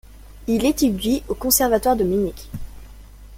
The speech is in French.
Il étudie au conservatoire de Munich.